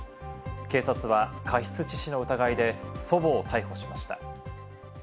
警察は過失致死の疑いで、祖母を逮捕しました。